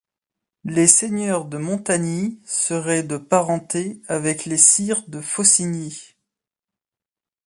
Les seigneurs de Montagny seraient de parenté avec les sires de Faucigny.